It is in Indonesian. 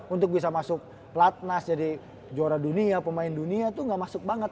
untuk bisa masuk platnas jadi juara dunia pemain dunia tuh gak masuk banget